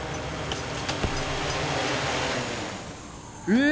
え！